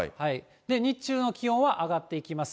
日中の気温は上がっていきます